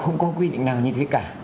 không có quy định nào như thế cả